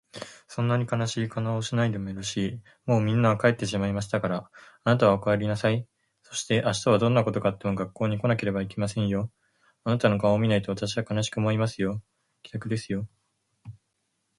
「そんなに悲しい顔をしないでもよろしい。もうみんなは帰ってしまいましたから、あなたはお帰りなさい。そして明日はどんなことがあっても学校に来なければいけませんよ。あなたの顔を見ないと私は悲しく思いますよ。屹度ですよ。」